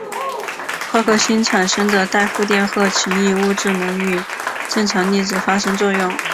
夸克星产生的带负电荷奇异物质能与正常粒子发生作用。